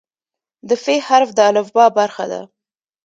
د "ف" حرف د الفبا برخه ده.